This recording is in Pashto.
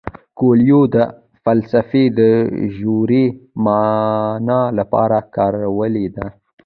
کویلیو دا فلسفه د ژورې مانا لپاره کارولې ده.